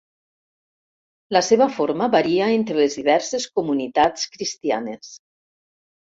La seva forma varia entre les diverses comunitats cristianes.